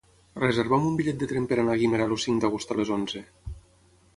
Reserva'm un bitllet de tren per anar a Guimerà el cinc d'agost a les onze.